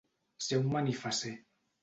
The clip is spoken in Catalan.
Ser un manifasser.